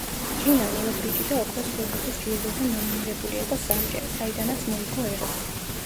ჯინა ლოლობრიჯიდა ოქროს გლობუსის ჯილდოზე ნომინირებული იყო სამჯერ, საიდანაც მოიგო ერთი.